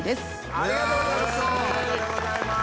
ありがとうございます！